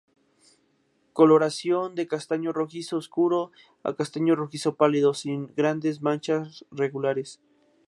Coloración de castaño rojizo oscuro a castaño rojizo pálido, sin grandes manchas regulares.